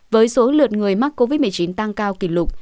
với số lượt người mắc covid một mươi chín tăng cao kỷ lục